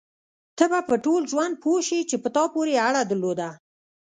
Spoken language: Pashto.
ته به په ټول ژوند پوه شې چې په تا پورې اړه درلوده.